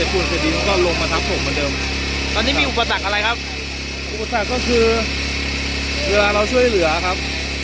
ตอนนี้มีอุปสรรคอะไรครับอุปสรรคก็คือเวลาเราช่วยเหลือครับ